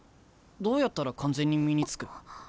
どうやったら完全に身につく？